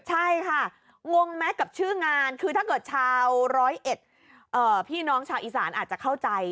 ใช่ค่ะงงไหมกับชื่องานคือถ้าเกิดชาวร้อยเอ็ดพี่น้องชาวอีสานอาจจะเข้าใจ